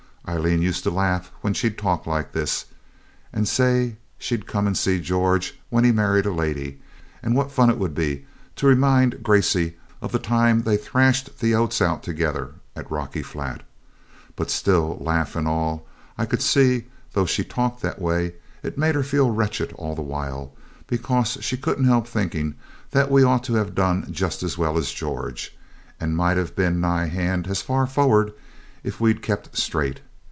Aileen used to laugh when she talked like this, and say she'd come and see George when he'd married a lady, and what fun it would be to remind Gracey of the time they threshed the oats out together at Rocky Flat. But still, laugh and all, I could see, though she talked that way, it made her feel wretched all the while, because she couldn't help thinking that we ought to have done just as well as George, and might have been nigh hand as far forward if we'd kept straight.